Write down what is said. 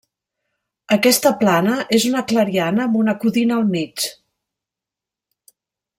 Aquesta plana és una clariana amb una codina al mig.